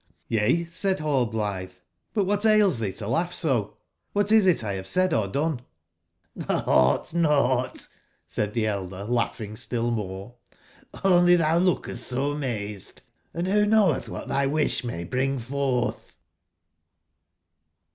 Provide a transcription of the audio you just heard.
"Yea," said Rallblitbe, "but wbat ails tbee to laugb 80 ? Qlbat is it 1 bave said or done ?"" J^ougbt, nougbt,"said tbe elder, laugbing still more, "only tbou lookest so mazed. Hnd wbo knowetbwbat tby wisb may bring fortb